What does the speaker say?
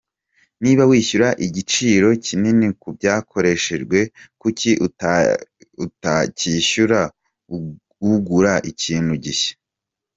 Niba wishyura igiciro kinini ku byakoreshejwe, kuki utacyishyura ugura ikintu gishya.